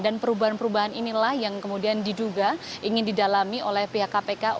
perubahan perubahan inilah yang kemudian diduga ingin didalami oleh pihak kpk